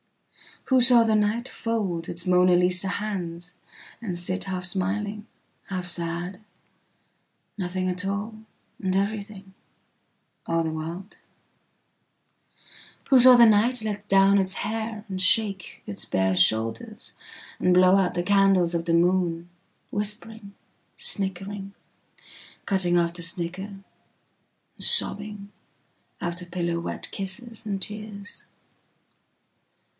Who saw the nightfold its Mona Lisa handsand sit half smiling, half sad, nothing at all, and everything, all the world ?Who saw the nightlet down its hairand shake its bare shouldersand blow out the candles of the moon, whispering, snickering, cutting off the snicker .. and sobbing ..out of pillow wet kisses and tears?